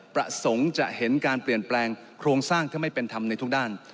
ประสงค์จะเห็นการเปลี่ยนแปลงโครงสร้างถ้าไม่เป็นธรรมในทุกด้าน